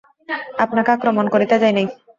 আপনাকে আক্রমণ করিতে যাই নাই।